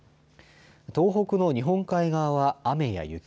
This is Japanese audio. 東北の日本海側は雨や雪。